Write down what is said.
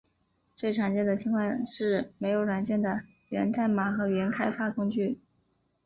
最常见的情况是没有软件的源代码和原开发工具。